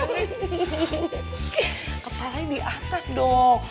kepalanya di atas dong